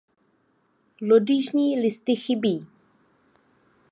Lodyžní listy chybí.